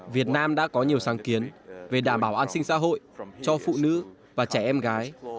việt nam đã có nhiều sáng kiến về đảm bảo an sinh xã hội cho phụ nữ và trẻ em gái